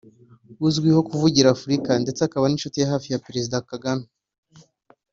uzwiho kuvugira Afurika ndetse akaba n’inshuti ya hafi ya Perezida Kagame